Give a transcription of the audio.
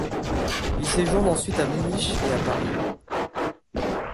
Il séjourne ensuite à Munich et à Paris.